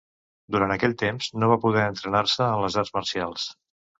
Durant aquell temps no va poder entrenar-se en les arts marcials.